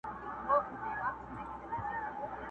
o تور په توره شپه اخله، چي سور وي، شين مه اخله!